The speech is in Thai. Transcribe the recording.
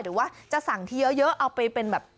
หรือว่าจะสั่งที่เยอะเอาไปเป็นแบบ